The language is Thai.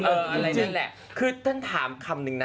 อะไรนั่นแหละคือท่านถามคำนึงนะ